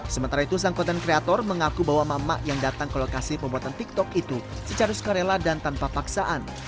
sementara itu sang konten kreator mengaku bahwa mama yang datang ke lokasi pembuatan tiktok itu secara sukarela dan tanpa paksaan